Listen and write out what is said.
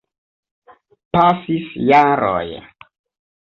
Pasis jaroj.